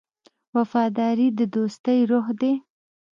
وفاداري د دوستۍ روح دی.